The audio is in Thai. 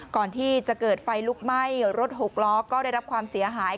ก่อนที่จะเกิดไฟลุกไหม้รถหกล้อก็ได้รับความเสียหาย